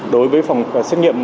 đối với phòng xét nghiệm